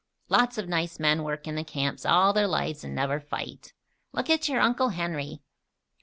"Lots of nice men work in the camps all their lives and never fight. Look at your Uncle Henry."